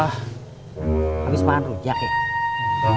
habis makan rujak ya